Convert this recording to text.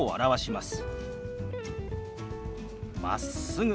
「まっすぐ」。